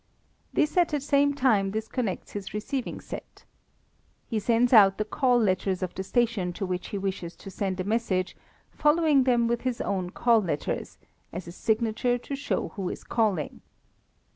This at the same time disconnects his receiving set. He sends out the call letters of the station to which he wishes to send a message, following them with his own call letters, as a signature to show who is calling.